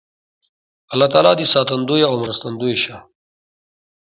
الله تعالی دې ساتندوی او مرستندوی شه